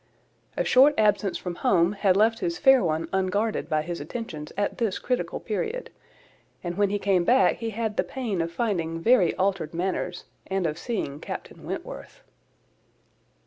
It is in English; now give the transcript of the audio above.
A short absence from home had left his fair one unguarded by his attentions at this critical period, and when he came back he had the pain of finding very altered manners, and of seeing Captain Wentworth.